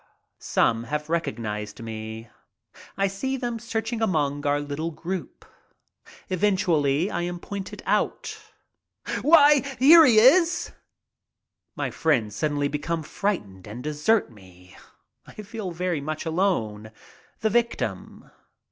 Some have recognized me. I see them searching among our little group. Eventually I am pointed out. "Why, here he is!" My friends suddenly become frightened and desert me. I feel very much alone, the victim.